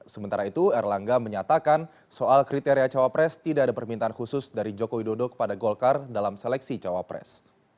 sementara itu erlangga menyatakan soal kriteria cawapres tidak ada permintaan khusus dari joko widodo kepada golkar dalam seleksi cawapres